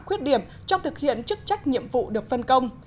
khuyết điểm trong thực hiện chức trách nhiệm vụ được phân công